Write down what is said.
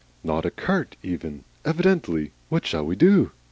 "Not a cart even! Evidently. What shall we do?"